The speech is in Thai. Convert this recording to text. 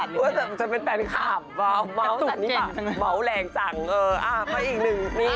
ทำไมอ่ะว่าจะเป็นแฟนคาร์มหรือเปล่าม้าวแหลงจังเพราะอีกหนึ่ง